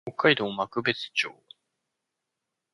北海道幕別町